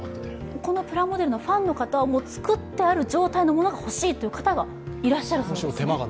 このプラモデルのファンの方、作ってある状態のものが欲しいという方がいらっしゃいます。